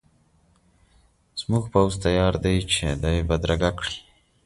زموږ پوځ تیار دی چې دی بدرګه کړي.